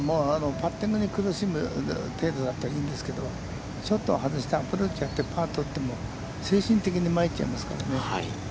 パッティングに苦しむ程度だといいんですけど、ショットを外して、アプローチやって、パーやっても精神的にまいっちゃいますからね。